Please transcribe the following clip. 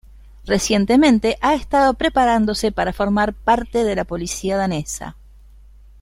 Recientemente ha estado preparándose para formar parte de la policía danesa.